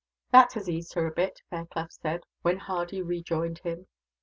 "That has eased her, a bit," Fairclough said, when Hardy rejoined him.